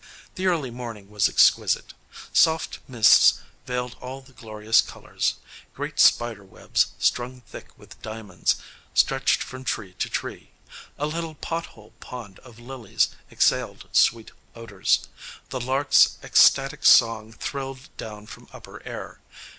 The early morning was exquisite. Soft mists veiled all the glorious colors; great spider webs, strung thick with diamonds, stretched from tree to tree; a little "pot hole" pond of lilies exhaled sweet odors; the lark's ecstatic song thrilled down from upper air.